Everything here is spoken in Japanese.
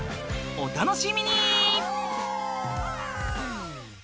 お楽しみに！